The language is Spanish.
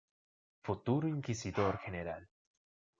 Futuro Inquisidor General.